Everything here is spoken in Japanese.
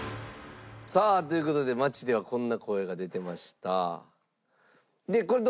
さあという事で街ではこんな声が出てました。